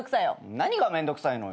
何がめんどくさいのよ？